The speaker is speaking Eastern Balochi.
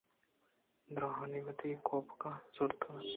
دُرٛاہ آئیءَ وتی کوپگاں زُرتگ اَت